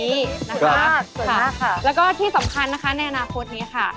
สวยมากสวยมากค่ะแล้วก็ที่สำคัญนะคะในอนาคตนี้ค่ะ